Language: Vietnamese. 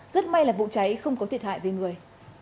rất may là vụ cháy không có thiệt hại về người